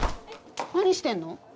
何してんの？